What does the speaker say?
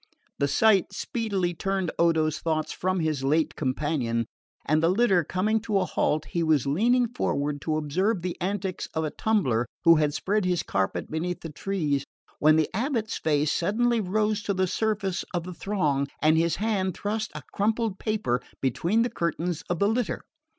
The sight speedily turned Odo's thought from his late companion, and the litter coming to a halt he was leaning forward to observe the antics of a tumbler who had spread his carpet beneath the trees, when the abate's face suddenly rose to the surface of the throng and his hand thrust a crumpled paper between the curtains of the litter.